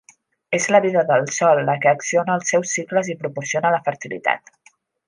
És la vida del sòl la que acciona els seus cicles i proporciona la fertilitat.